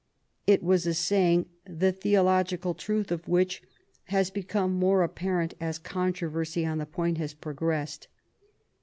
It was a saying the theological truth of which las become more apparent as controversy on the 3oint has progressed.